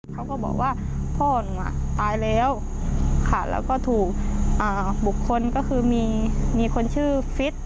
เขาก็บอกว่าพ่อหนูตายแล้วค่ะแล้วก็ถูกบุคคลก็คือมีคนชื่อฟิต